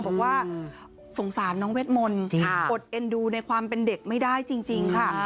บอกว่าสงสารน้องเวทมนต์อดเอ็นดูในความเป็นเด็กไม่ได้จริงค่ะ